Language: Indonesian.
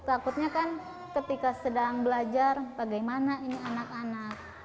takutnya kan ketika sedang belajar bagaimana ini anak anak